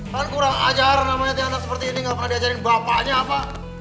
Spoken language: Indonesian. kan kurang ajar namanya anak seperti ini nggak pernah diajarin bapaknya apa